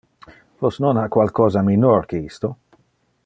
Vos non ha qualcosa minor que isto?